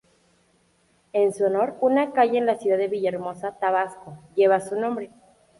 En su honor, una calle en la ciudad de Villahermosa, Tabasco, lleva su nombre.